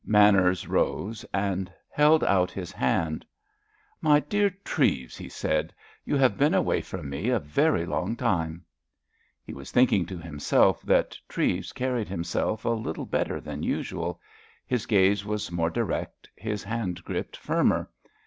Manners rose and held out his hand. "My dear Treves," he said, "you have been away from me a very long time." He was thinking to himself that Treves carried himself a little better than usual; his gaze was more direct, his handgrip firmer.